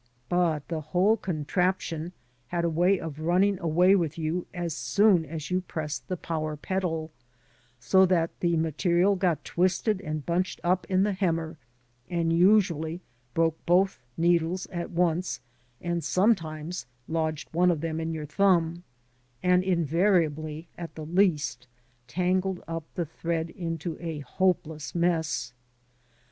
But the whole contraption had a way of running away with you as soon as you pressed the power pedal, so that the material got twisted and bunched up in the hemmer, and usually broke both needles at once, and sometimes lodged one of them in your thumb, and invariably, at the least, tangled up the thread into a hopeless mess.